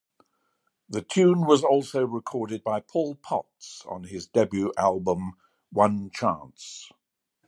The tune was also recorded by Paul Potts on his debut album, "One Chance".